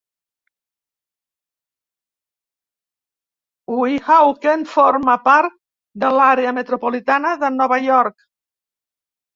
Weehawken forma part de l'àrea metropolitana de Nova York.